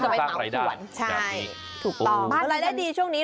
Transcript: พูดถึงรายได้ดีช่วงนี้